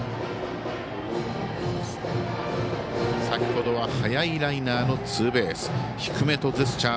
先ほどは速いライナーのツーベース。